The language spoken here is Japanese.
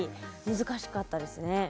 難しかったですね。